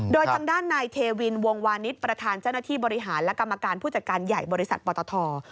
โดยทางด้านนายเทวินวงวานิสประธานเจ้าหน้าที่บริหารและกรรมการผู้จัดการใหญ่บริษัทปตท